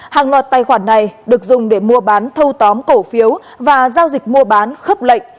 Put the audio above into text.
hàng loạt tài khoản này được dùng để mua bán thâu tóm cổ phiếu và giao dịch mua bán khấp lệnh